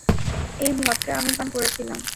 ওই ভদকা আমি পান করেছিলাম।